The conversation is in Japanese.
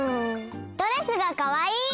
ドレスがかわいい！